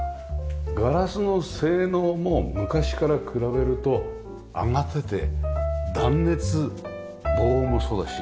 ガラスの性能も昔から比べると上がってて断熱防音もそうだし。